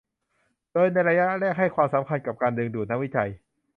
โดยในระยะแรกให้ความสำคัญกับการดึงดูดนักวิจัย